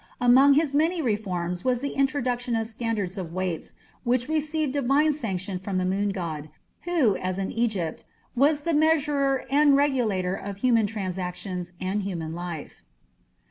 Among his many reforms was the introduction of standards of weights, which received divine sanction from the moon god, who, as in Egypt, was the measurer and regulator of human transactions and human life.